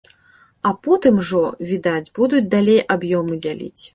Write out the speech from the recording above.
А потым ужо, відаць, будуць далей аб'ёмы дзяліць.